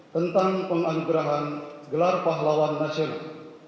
tentang penganugerahan gelar pahlawan nasional